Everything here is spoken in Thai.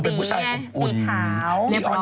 นมตีเนี้ย